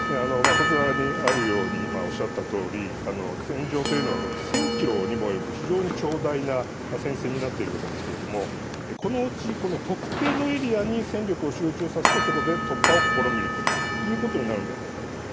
こちらにあるように今、おっしゃったとおり戦場というのは１０００ｋｍにもおよぶ非常に長大な戦線になっているわけですがこのうち特定のエリアに戦力を集中させてそこで突破を試みるということになるのではないかと。